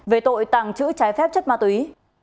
về tội tàng trữ trái phép chất ma túy